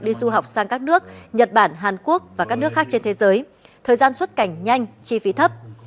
đi du học sang các nước nhật bản hàn quốc và các nước khác trên thế giới thời gian xuất cảnh nhanh chi phí thấp